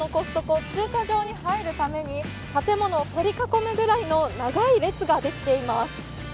こちらのコストコ、駐車場に入るために建物を取り囲むぐらいの長い列ができています。